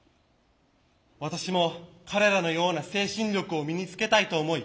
私も彼らのような精神力を身につけたいと思い